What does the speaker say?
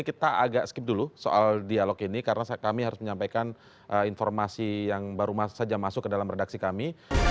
kita agak skip dulu soal dialog ini karena kami harus menyampaikan informasi yang baru saja masuk ke dalam redaksi kami